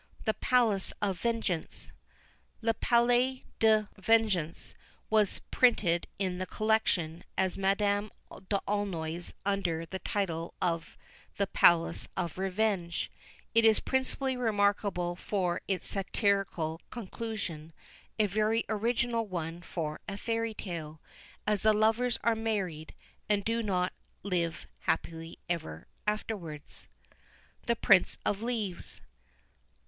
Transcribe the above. THE PALACE OF VENGEANCE. Le Palais de la Vengeance was printed in the "Collection" as Madame d'Aulnoy's, under the title of the Palace of Revenge. It is principally remarkable for its satirical conclusion a very original one for a fairy tale, as the lovers are married, and do not "live happy ever afterwards." THE PRINCE OF LEAVES.